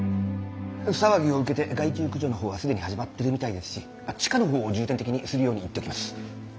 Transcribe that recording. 騒ぎを受けて害虫駆除の方は既に始まってるみたいですし地下の方を重点的にするように言っときます。